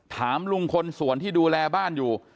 ถามลุงคนสวนที่ดูแลบ้านอยู่